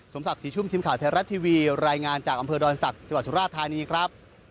ศักดิ์ศรีชุ่มทีมข่าวไทยรัฐทีวีรายงานจากอำเภอดอนศักดิ์จังหวัดสุราธานีครับ